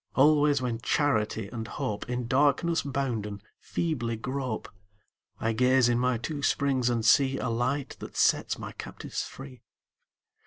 Always when Charity and Hope, In darkness bounden, feebly grope, I gaze in my two springs and see A Light that sets my captives free.